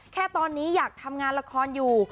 แค่ตอนนี้อยากทำงานละครอยู่